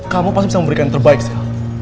kamu pasti bisa memberikan yang terbaik sih